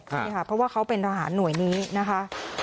ใช่ค่ะเพราะว่าเขาเป็นทหารหน่วยนี้นะคะ